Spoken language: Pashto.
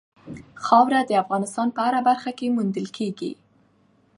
خاوره د افغانستان په هره برخه کې موندل کېږي.